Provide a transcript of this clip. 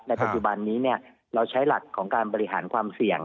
ปัจจุบันนี้เราใช้หลักของการบริหารความเสี่ยง